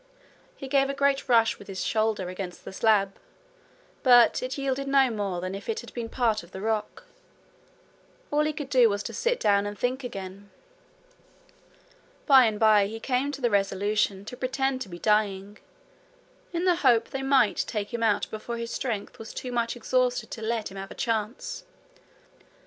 He gave a great rush with his shoulder against the slab, but it yielded no more than if it had been part of the rock. All he could do was to sit down and think again. By and by he came to the resolution to pretend to be dying, in the hope they might take him out before his strength was too much exhausted to let him have a chance.